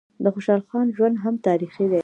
د خوشحال خان ژوند هم تاریخي دی.